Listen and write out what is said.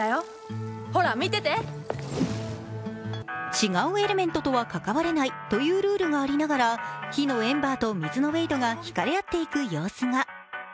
違うエレメントとは関われないというルールがありながら、火のエンバーと水のウェイドがひかれ合っていく様子が。